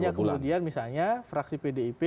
hanya kemudian misalnya fraksi pdip